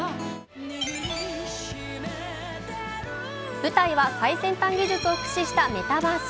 舞台は最先端技術を駆使したメタバース。